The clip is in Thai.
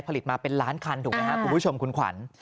ผลิตมาเป็นล้านคันถูกไหมครับ